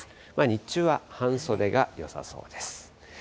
日中は半袖がよさそうです。